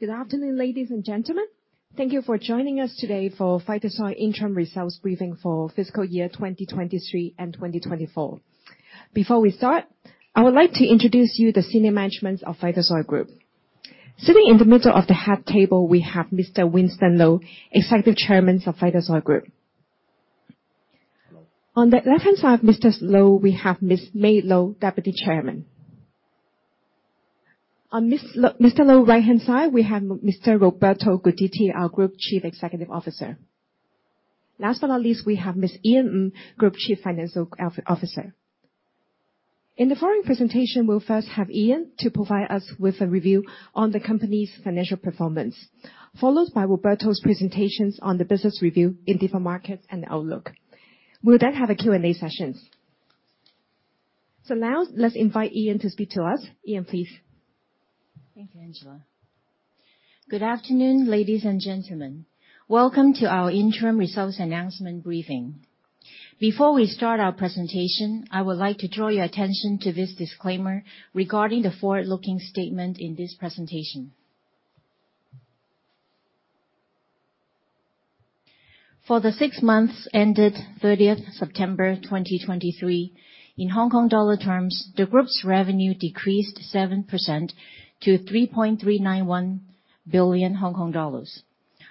Good afternoon, ladies and gentlemen. Thank you for joining us today for Vitasoy Interim Results briefing for Fiscal Year 2023 and 2024. Before we start, I would like to introduce you the senior management of Vitasoy Group. Sitting in the middle of the head table, we have Mr. Winston Lo, Executive Chairman of Vitasoy Group. On the left-hand side of Mr. Lo, we have Ms. May Lo, Deputy Chairman. On Mr. Lo's right-hand side, we have Mr. Roberto Guidetti, our Group Chief Executive Officer. Last but not least, we have Ms. Ian Ng, Group Chief Financial Officer. In the following presentation, we'll first have Ian to provide us with a review on the company's financial performance, followed by Roberto's presentations on the business review in different markets and outlook. We'll then have a Q&A session. So now let's invite Ian to speak to us. Ian, please. Thank you, Angela. Good afternoon, ladies and gentlemen. Welcome to our interim results announcement briefing. Before we start our presentation, I would like to draw your attention to this disclaimer regarding the forward-looking statement in this presentation. For the six months ended 30th September 2023, in Hong Kong dollar terms, the Group's revenue decreased 7% to 3.391 billion Hong Kong dollars.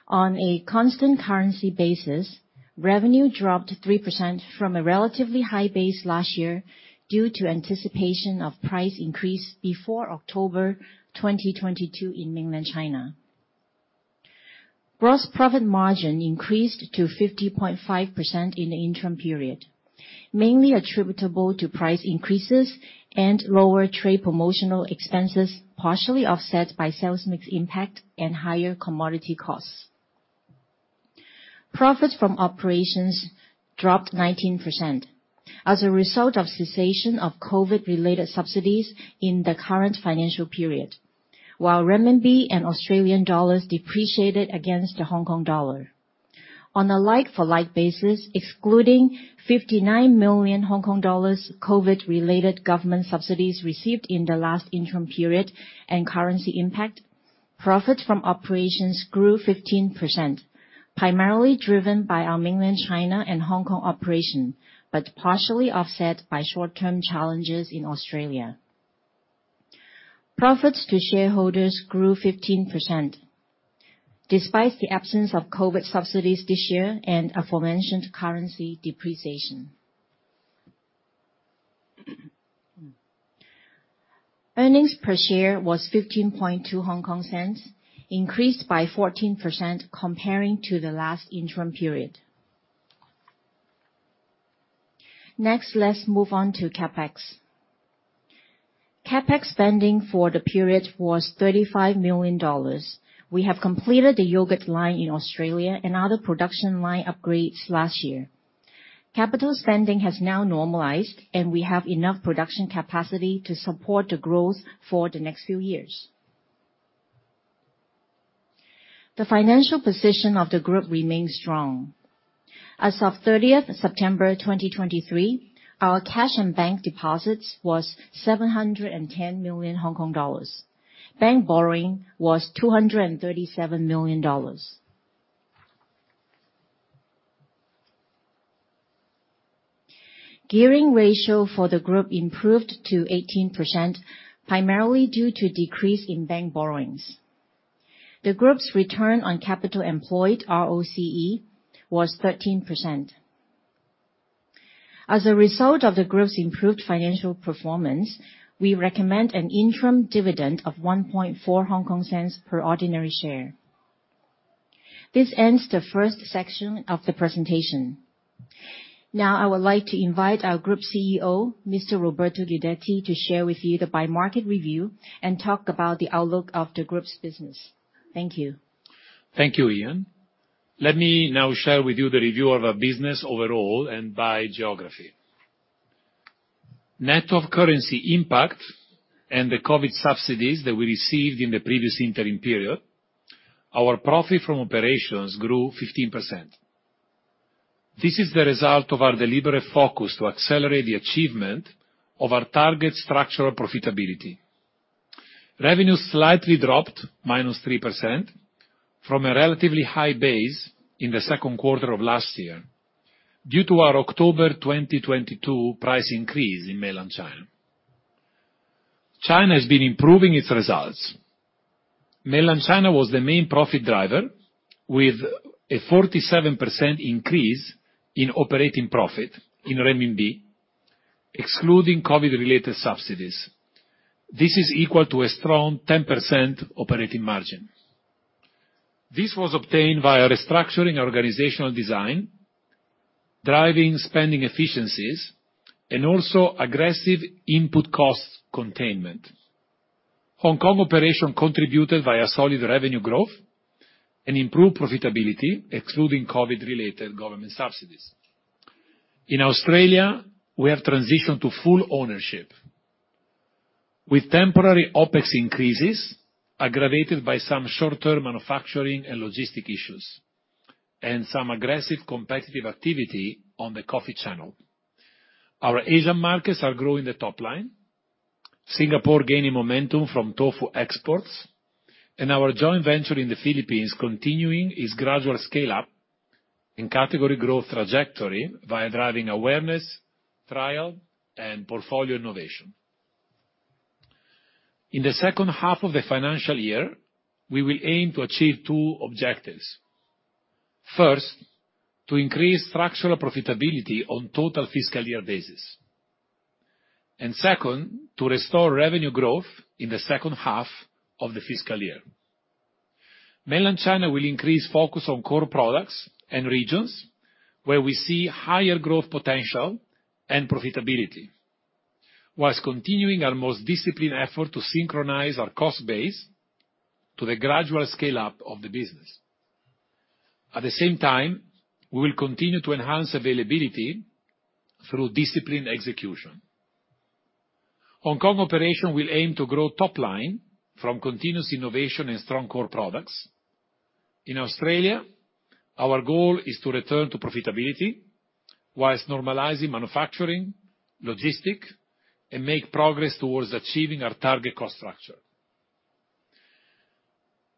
On a constant currency basis, revenue dropped 3% from a relatively high base last year due to anticipation of price increase before October 2022 in Mainland China. Gross profit margin increased to 50.5% in the interim period, mainly attributable to price increases and lower trade promotional expenses, partially offset by sales mix impact and higher commodity costs. Profits from operations dropped 19% as a result of cessation of COVID-related subsidies in the current financial period, while renminbi and Australian dollars depreciated against the Hong Kong dollar. On a like-for-like basis, excluding 59 million Hong Kong dollars COVID-related government subsidies received in the last interim period and currency impact, profits from operations grew 15%, primarily driven by our Mainland China and Hong Kong operation, but partially offset by short-term challenges in Australia. Profits to shareholders grew 15%, despite the absence of COVID subsidies this year and aforementioned currency depreciation. Earnings per share was 0.152, increased by 14% comparing to the last interim period. Next, let's move on to CapEx. CapEx spending for the period was 35 million dollars. We have completed the yogurt line in Australia and other production line upgrades last year. Capital spending has now normalized, and we have enough production capacity to support the growth for the next few years. The financial position of the group remains strong. As of 30th September 2023, our cash and bank deposits was 710 million Hong Kong dollars. Bank borrowing was 237 million dollars. Gearing ratio for the group improved to 18%, primarily due to decrease in bank borrowings. The group's return on capital employed, ROCE, was 13%. As a result of the group's improved financial performance, we recommend an interim dividend of 0.014 per ordinary share. This ends the first section of the presentation. Now, I would like to invite our Group CEO, Mr. Roberto Guidetti, to share with you the by market review and talk about the outlook of the group's business. Thank you. Thank you, Ian. Let me now share with you the review of our business overall and by geography. Net of currency impact and the COVID subsidies that we received in the previous interim period, our profit from operations grew 15%. This is the result of our deliberate focus to accelerate the achievement of our target structural profitability. Revenue slightly dropped -3% from a relatively high base in the second quarter of last year due to our October 2022 price increase in Mainland China. China has been improving its results. Mainland China was the main profit driver, with a 47% increase in operating profit in renminbi, excluding COVID-related subsidies. This is equal to a strong 10% operating margin. This was obtained via restructuring organizational design, driving spending efficiencies, and also aggressive input costs containment. Hong Kong operation contributed via solid revenue growth and improved profitability, excluding COVID-related government subsidies. In Australia, we have transitioned to full ownership with temporary OpEx increases, aggravated by some short-term manufacturing and logistics issues, and some aggressive competitive activity on the coffee channel. Our Asian markets are growing the top line, Singapore gaining momentum from tofu exports, and our joint venture in the Philippines continuing its gradual scale-up and category growth trajectory via driving awareness, trial, and portfolio innovation. In the second half of the financial year, we will aim to achieve two objectives. First, to increase structural profitability on total fiscal year basis, and second, to restore revenue growth in the second half of the fiscal year. Mainland China will increase focus on core products and regions where we see higher growth potential and profitability, while continuing our most disciplined effort to synchronize our cost base to the gradual scale-up of the business. At the same time, we will continue to enhance availability through disciplined execution. Hong Kong operation will aim to grow top line from continuous innovation and strong core products. In Australia, our goal is to return to profitability while normalizing manufacturing, logistics, and make progress towards achieving our target cost structure.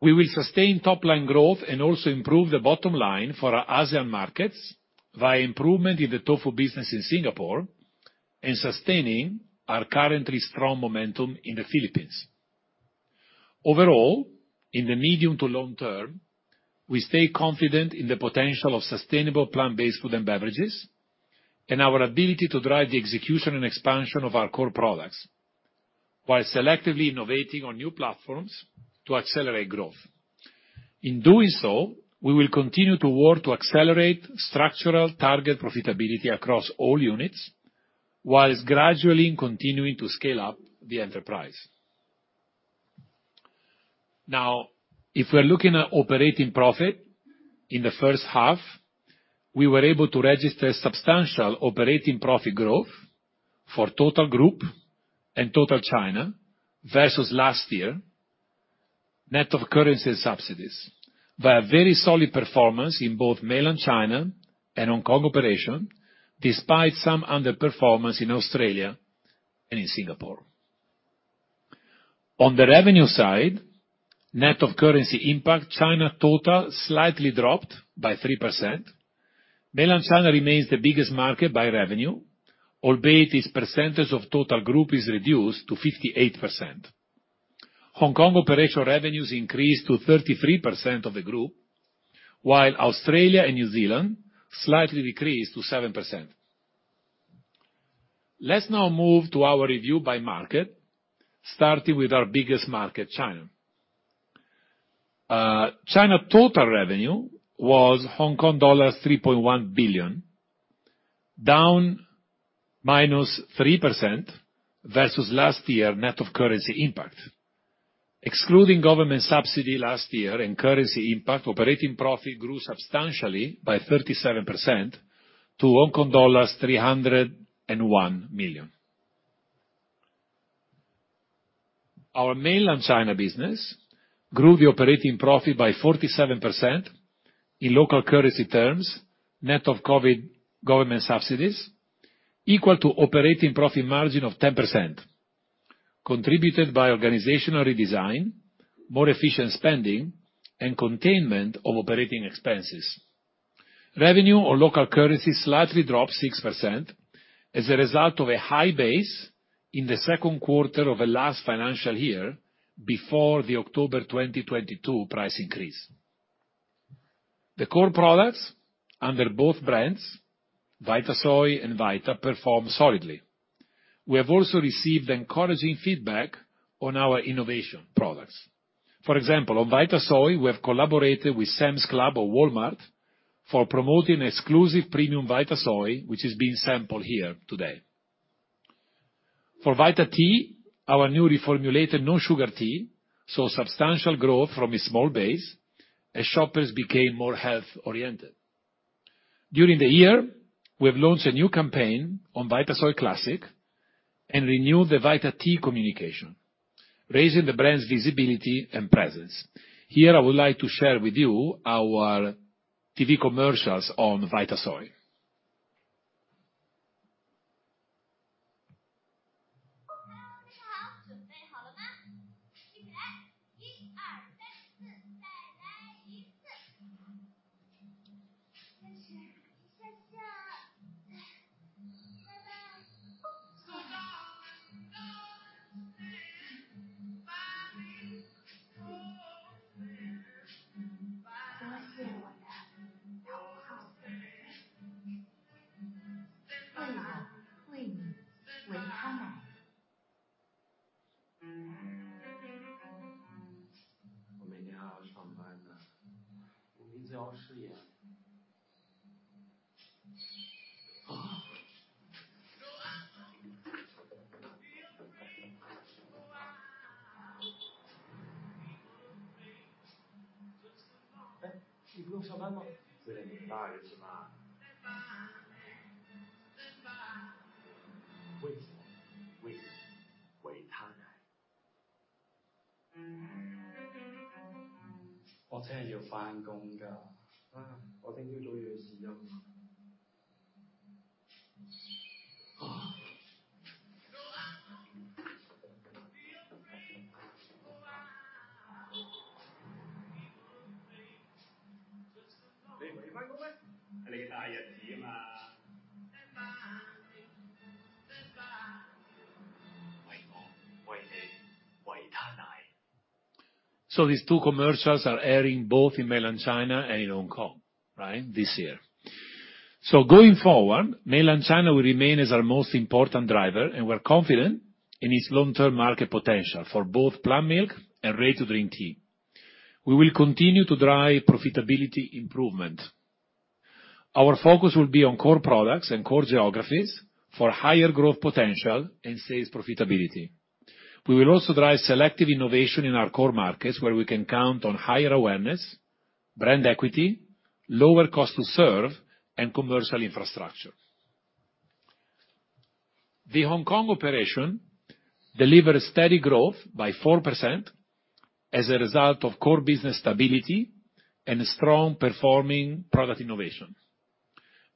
We will sustain top-line growth and also improve the bottom line for our ASEAN markets via improvement in the tofu business in Singapore and sustaining our currently strong momentum in the Philippines. Overall, in the medium to long term, we stay confident in the potential of sustainable plant-based food and beverages and our ability to drive the execution and expansion of our core products, while selectively innovating on new platforms to accelerate growth. In doing so, we will continue to work to accelerate structural target profitability across all units, while gradually continuing to scale up the enterprise. Now, if we're looking at operating profit, in the first half, we were able to register substantial operating profit growth for total group and total China versus last year, net of currency and subsidies, via very solid performance in both Mainland China and Hong Kong operation, despite some underperformance in Australia and in Singapore. On the revenue side, net of currency impact, China total slightly dropped by 3%. Mainland China remains the biggest market by revenue, albeit its percentage of total group is reduced to 58%. Hong Kong operational revenues increased to 33% of the group, while Australia and New Zealand slightly decreased to 7%. Let's now move to our review by market, starting with our biggest market, China. China total revenue was Hong Kong dollars 3.1 billion, down -3% versus last year, net of currency impact. Excluding government subsidy last year and currency impact, operating profit grew substantially by 37% to HKD 301 million. Our Mainland China business grew the operating profit by 47% in local currency terms, net of COVID government subsidies, equal to operating profit margin of 10%, contributed by organizational redesign, more efficient spending, and containment of operating expenses. Revenue on local currency slightly dropped 6% as a result of a high base in the second quarter of the last financial year before the October 2022 price increase. The core products under both brands, Vitasoy and VITA, performed solidly. We have also received encouraging feedback on our innovation products. For example, on Vitasoy, we have collaborated with Sam's Club or Walmart for promoting exclusive premium Vitasoy, which is being sampled here today. For VITA Tea, our new reformulated no-sugar tea, saw substantial growth from a small base as shoppers became more health-oriented. During the year, we have launched a new campaign on Vitasoy Classic and renewed the VITA Tea communication, raising the brand's visibility and presence. Here, I would like to share with you our TV commercials on Vitasoy. So these two commercials are airing both in Mainland China and in Hong Kong, right? This year. Going forward, Mainland China will remain as our most important driver, and we're confident in its long-term market potential for both plant milk and ready-to-drink tea. We will continue to drive profitability improvement. Our focus will be on core products and core geographies for higher growth potential and sales profitability. We will also drive selective innovation in our core markets, where we can count on higher awareness, brand equity, lower cost to serve, and commercial infrastructure. The Hong Kong operation delivered a steady growth by 4% as a result of core business stability and strong performing product innovation.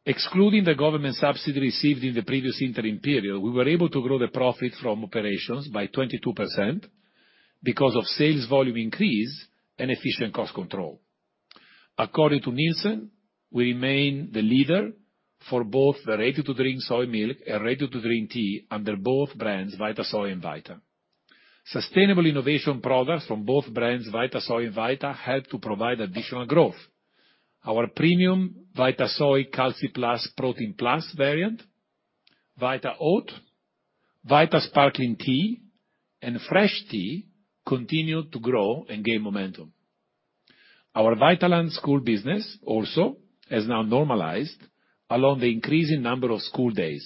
Excluding the government subsidy received in the previous interim period, we were able to grow the profit from operations by 22% because of sales volume increase and efficient cost control. According to Nielsen, we remain the leader for both the ready-to-drink soy milk and ready-to-drink tea under both brands, Vitasoy and VITA. Sustainable innovation products from both brands, Vitasoy and VITA, helped to provide additional growth. Our premium Vitasoy Calci-Plus Protein Plus variant, VITA Oat, VITA Sparkling Tea, and Fresh Tea continued to grow and gain momentum. Our Vitaland school business also has now normalized along the increasing number of school days,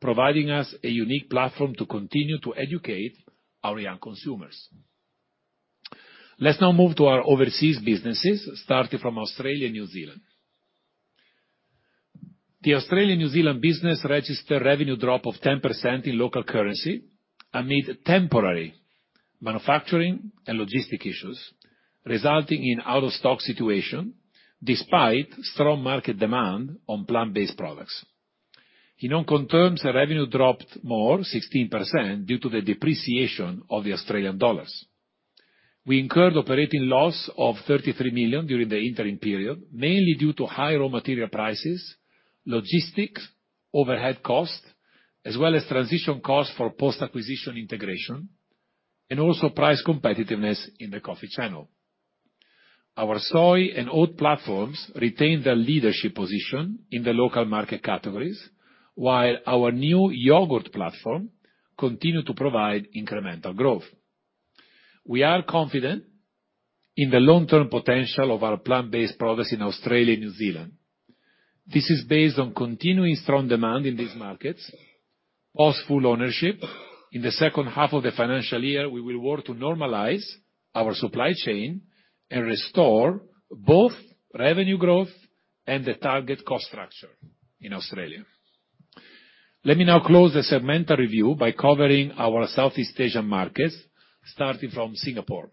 providing us a unique platform to continue to educate our young consumers. Let's now move to our overseas businesses, starting from Australia and New Zealand. The Australia-New Zealand business registered revenue drop of 10% in local currency amid temporary manufacturing and logistic issues, resulting in out-of-stock situation, despite strong market demand for plant-based products. In our terms, the revenue dropped more, 16%, due to the depreciation of the Australian dollar. We incurred operating loss of 33 million during the interim period, mainly due to high raw material prices, logistics, overhead costs, as well as transition costs for post-acquisition integration, and also price competitiveness in the coffee channel. Our Soy and Oat platforms retained their leadership position in the local market categories, while our new Yogurt platform continued to provide incremental growth. We are confident in the long-term potential of our plant-based products in Australia and New Zealand. This is based on continuing strong demand in these markets, post full ownership. In the second half of the financial year, we will work to normalize our supply chain and restore both revenue growth and the target cost structure in Australia. Let me now close the segmental review by covering our Southeast Asian markets, starting from Singapore.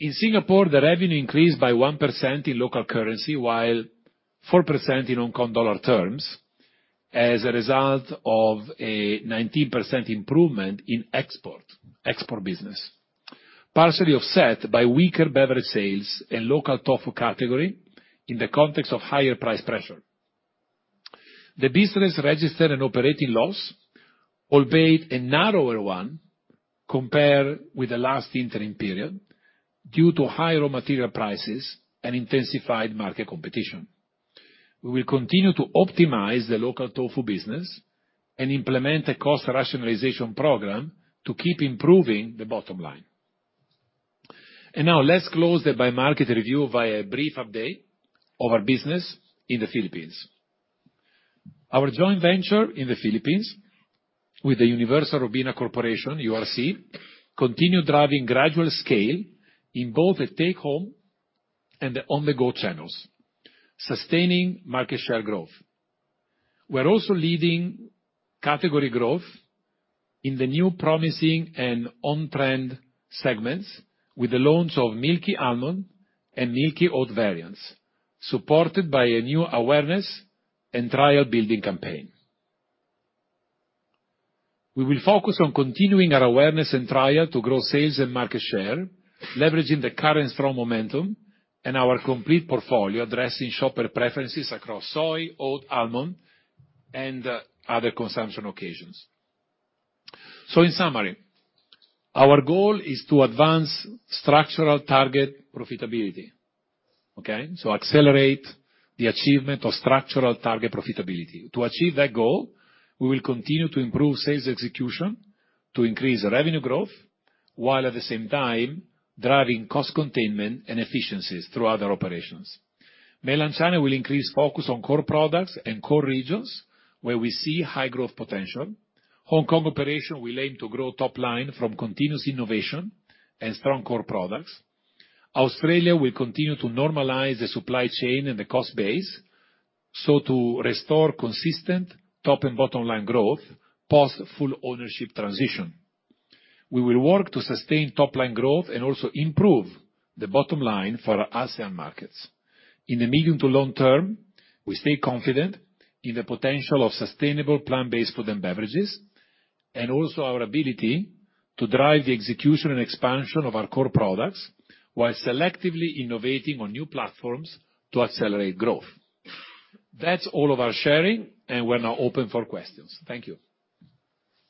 In Singapore, the revenue increased by 1% in local currency, while 4% in Hong Kong dollar terms, as a result of a 19% improvement in export, export business, partially offset by weaker beverage sales and local tofu category in the context of higher price pressure. The business registered an operating loss, albeit a narrower one compared with the last interim period, due to high raw material prices and intensified market competition. We will continue to optimize the local tofu business and implement a cost rationalization program to keep improving the bottom line. Now let's close the by-market review via a brief update of our business in the Philippines. Our joint venture in the Philippines with the Universal Robina Corporation, URC, continued driving gradual scale in both the take-home and the on-the-go channels, sustaining market share growth. We're also leading category growth in the new promising and on-trend segments with the launch of Milky Almond and Milky Oat variants, supported by a new awareness and trial-building campaign. We will focus on continuing our awareness and trial to grow sales and market share, leveraging the current strong momentum and our complete portfolio, addressing shopper preferences across Soy, Oat, Almond, and other consumption occasions. So in summary, our goal is to advance structural target profitability, okay? So accelerate the achievement of structural target profitability. To achieve that goal, we will continue to improve sales execution to increase the revenue growth, while at the same time, driving cost containment and efficiencies through other operations. Mainland China will increase focus on core products and core regions where we see high growth potential. Hong Kong operation will aim to grow top line from continuous innovation and strong core products. Australia will continue to normalize the supply chain and the cost base, so to restore consistent top and bottom line growth post full ownership transition. We will work to sustain top-line growth and also improve the bottom line for our ASEAN markets. In the medium to long term, we stay confident in the potential of sustainable plant-based food and beverages, and also our ability to drive the execution and expansion of our core products, while selectively innovating on new platforms to accelerate growth. That's all of our sharing, and we're now open for questions. Thank you.